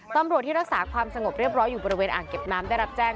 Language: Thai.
ตำรวจที่รักษาความสงบเรียบร้อยอยู่บริเวณอ่างเก็บน้ำได้รับแจ้ง